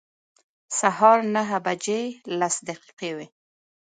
سهار نهه بجې لس دقیقې وې.